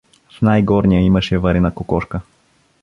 В най-горния имаше варена кокошка.